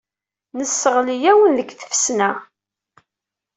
Nesseɣli-awen deg tfesna.